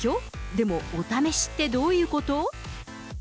でも、お試しってどういうこと？